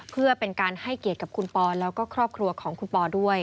เพื่อเป็นการให้เกียรติกับคุณปอแล้วก็ครอบครัวของคุณปอด้วย